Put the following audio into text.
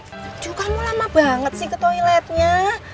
setuju kamu lama banget sih ke toiletnya